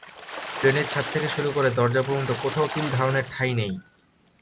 ট্রেনের ছাদ থেকে শুরু করে দরজা পর্যন্ত কোথাও তিলধারণের ঠাঁই নেই।